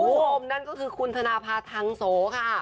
โอ้โหนั่นก็คือคุณธนาพาทังโสค่ะ